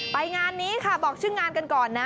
งานนี้ค่ะบอกชื่องานกันก่อนนะ